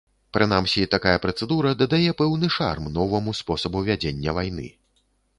Прынамсі, такая працэдура дадае пэўны шарм новаму спосабу вядзення вайны.